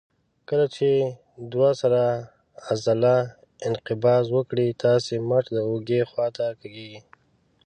کله چې دوه سره عضله انقباض وکړي تاسې مټ د اوږې خواته کږېږي.